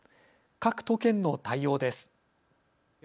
各都県の対応です。